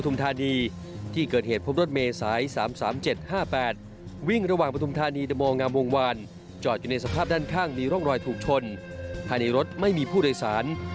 มีร่องรอยถูกชนภายในรถไม่มีผู้โดยสาร